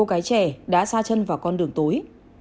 nguyễn thị n đã xa chân vào con đường tối